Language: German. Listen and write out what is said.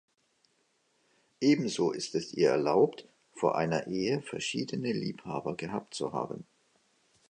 Ebenso ist es ihr erlaubt, vor einer Ehe verschiedene Liebhaber gehabt zu haben.